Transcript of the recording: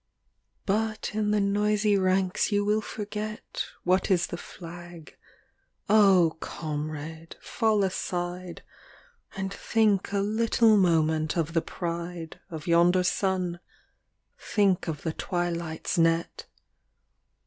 LXV But in the noisy ranks you will forget What is the flag. Oh, comrade, fall aside And think a little moment of the pride Of yonder sun, think of the twilightŌĆÖs net.